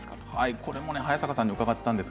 これも早坂さんに伺いました。